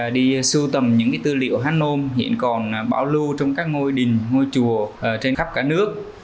đi sưu tầm những tư liệu hán nôm hiện còn bảo lưu trong các ngôi đình ngôi chùa trên khắp cả nước